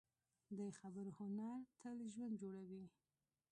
د خبرو هنر تل ژوند جوړوي